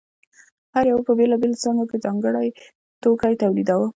هر یوه په بېلابېلو څانګو کې ځانګړی توکی تولیداوه